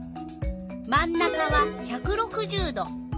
真ん中は１６０℃。